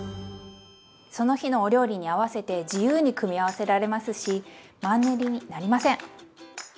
その日のお料理に合わせて自由に組み合わせられますしマンネリになりません！